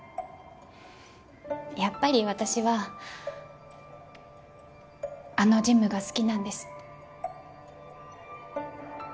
やっぱり私はあのジムが好きなんです。